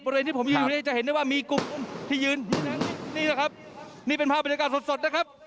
บริเวณที่ผมอยู่จะเห็นได้ว่ามีกลุ่มที่ยืนนี่นะครับนี่เป็นภาพบริการสดนะครับ